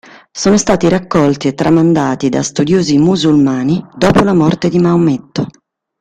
Sono stati raccolti e tramandati da studiosi musulmani dopo la morte di Maometto.